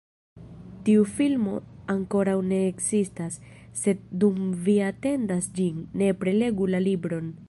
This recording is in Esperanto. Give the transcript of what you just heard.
Tiu filmo ankoraŭ ne ekzistas, sed dum vi atendas ĝin, nepre legu la libron!